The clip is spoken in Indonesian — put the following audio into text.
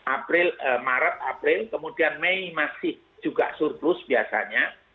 april maret april kemudian mei masih juga surplus biasanya